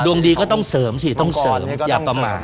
ดวงดีก็ต้องเสริมต้องเสริมอย่าต่อมา